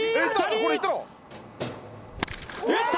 これいったろ！